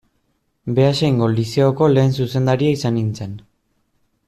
Beasaingo Lizeoko lehen zuzendaria izan nintzen.